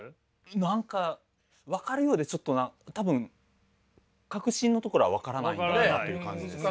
何か分かるようでちょっと多分核心のところは分からないんだろうなという感じですね。